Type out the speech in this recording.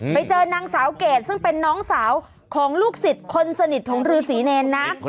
ไปเจอนางสาวเกดซึ่งเป็นน้องสาวของลูกศิษย์คนสนิทของฤษีเนรนะ